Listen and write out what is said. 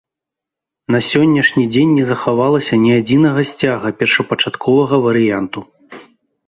На сённяшні дзень не захавалася ні адзінага сцяга першапачатковага варыянту.